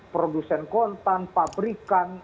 produsen kontan pabrikan